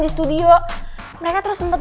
di studio mereka terus sempat